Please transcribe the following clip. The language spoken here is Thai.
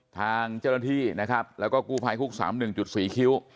ทางเจ้าหน้าที่กุภัยฝรก๓๑๔คิว